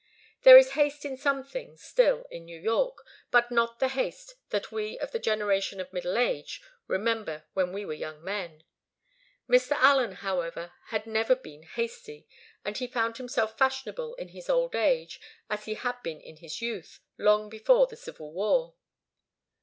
There is haste in some things, still, in New York, but not the haste that we of the generation in middle age remember when we were young men. Mr. Allen, however, had never been hasty; and he found himself fashionable in his old age, as he had been in his youth, long before the civil war.